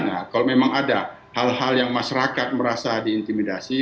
nah kalau memang ada hal hal yang masyarakat merasa diintimidasi